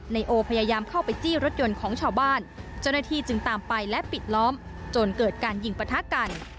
นายโอพยายามเข้าไปจี้รถยนต์ของชาวบ้านเจ้าหน้าที่จึงตามไปและปิดล้อมจนเกิดการยิงปะทะกัน